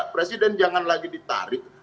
presiden jangan lagi ditarik